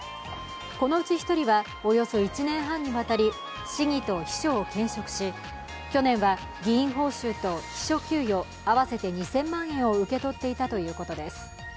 このうち１人はおよそ１年半にわたり市議と秘書と兼職し去年は議員報酬と秘書給与合わせて２０００万円を受け取っていたということです。